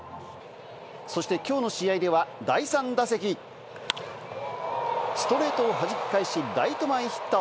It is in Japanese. そしてきょうの試合では第３打席、ストレートをはじき返し、ライト前ヒット。